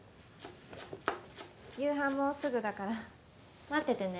夕飯もうすぐだから待っててね。